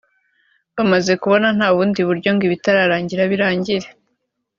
Bamaze kubona nta bundi buryo ngo ibitararangiye birangire